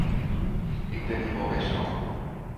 Ik bin der wol wis fan.